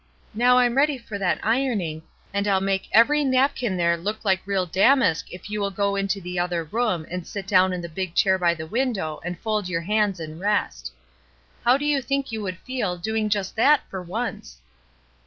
Now I'm ready for that ironing, and I'll make every napkin there look like real damask if you will go into the other room and sit down in the big chair by the window and fold yoiu hands and rest. How do you think you would feel, doing just that, for once?"